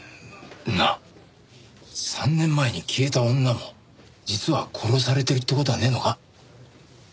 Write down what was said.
なあ３年前に消えた女も実は殺されてるって事はねえのか？